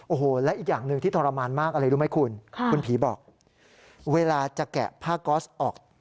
โอ้โหและอีกอย่างหนึ่งที่ทรมานมากอะไรรู้ไหมคุณคุณผีบอกเวลาจะแกะผ้าก๊อสออก